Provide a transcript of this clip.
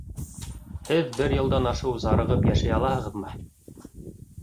Һеҙ бер йылдан ашыу зарығып йәшәй алаһығыҙмы?